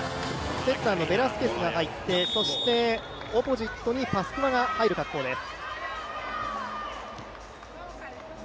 セッターのベラスケスが入ってオポジットにパスクアが入る形です。